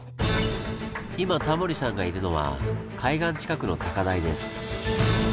今タモリさんがいるのは海岸近くの高台です。